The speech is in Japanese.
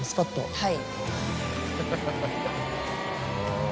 はい。